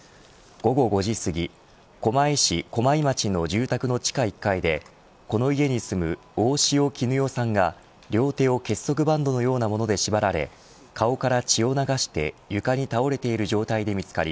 午後５時すぎ狛江市駒井町の住宅の地下１階でこの家に住む大塩衣興さんが両手を結束バンドのようなもので縛られ顔から血を流して床に倒れている状態で見つかり